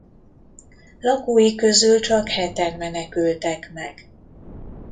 Lakói közül csak heten menekültek meg.